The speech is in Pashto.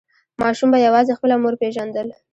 ماشوم به یوازې خپله مور پیژندل.